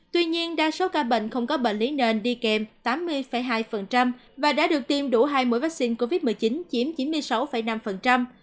tuy nhiên đa số ca bệnh không có bệnh lý nền đi kèm tám mươi hai và đã được tiêm đủ hai mũi vaccine covid một mươi chín chiếm chín mươi sáu năm